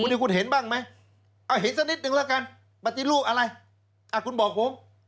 คุณคุณเห็นบ้างมั้ยอ้าวเห็นสักนิดหนึ่งแล้วกันบัตริรูปอะไรอ้าวคุณบอกผม